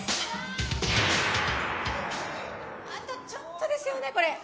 あとちょっとですよね、これ。